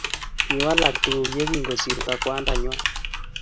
kiwalak tuguk ya kosirto kwanda ng'wany